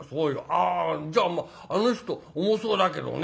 「あじゃあまああの人重そうだけどね。